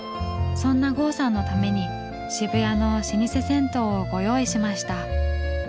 そんな郷さんのために渋谷の老舗銭湯をご用意しました。